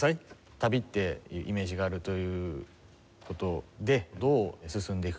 「旅」っていうイメージがあるという事でどう進んでいくか。